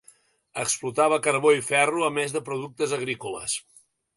Explotava carbó i ferro a més de productes agrícoles.